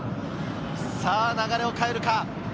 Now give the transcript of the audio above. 流れを変えるか。